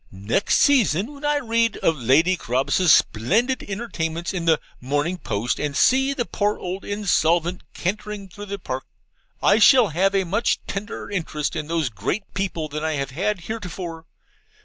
Next season, when I read of Lady Carabas's splendid entertainments in the MORNING POST, and see the poor old insolvent cantering through the Park I shall have a much tenderer interest in these great people than I have had heretofore.